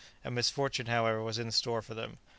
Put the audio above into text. A misfortune, however, was in store for them.